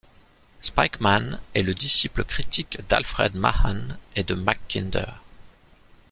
Spykman est le disciple critique d'Alfred Mahan et de Mackinder.